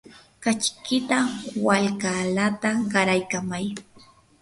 kachikita walkalata qaraykamay.